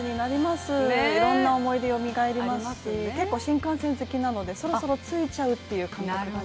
いろんな思い出よみがえりますし結構新幹線好きなのでそろそろ着いちゃうっていう感覚が。